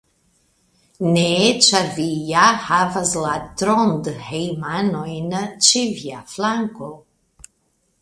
Ne, ĉar vi ja havas la Trondhejmanojn ĉe via flanko.